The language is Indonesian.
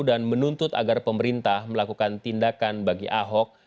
dan menuntut agar pemerintah melakukan tindakan bagi ahok